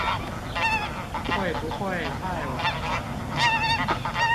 會不會太晚了？